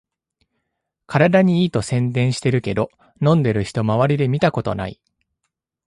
体にいいと宣伝してるけど、飲んでる人まわりで見たことない